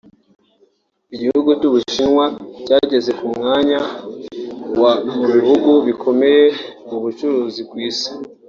Igihugu cy’u Bushinwa cyageze ku mwanya wa mu bihugu bikomeye mu bucuruzi ku isi